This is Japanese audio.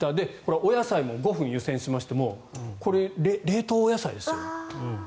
お野菜も５分湯煎しましてこれ、冷凍お野菜ですよ。